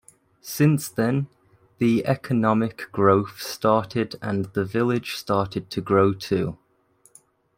Since then, the economic growth started and the village started to grow too.